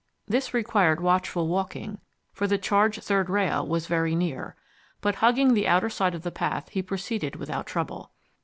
This required watchful walking, for the charged third rail was very near, but hugging the outer side of the path he proceeded without trouble.